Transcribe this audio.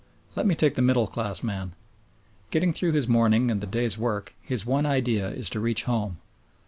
Let me take the middle class man. Getting through his morning and the day's work, his one idea is to reach home.